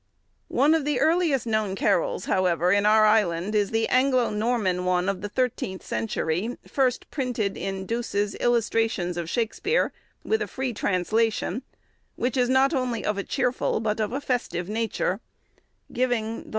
One of the earliest known carols, however, in our island, is the Anglo Norman one, of the thirteenth century, first printed in Douce's 'Illustrations of Shakespeare,' with a free translation, which is not only of a cheerful, but of a festive nature, giving the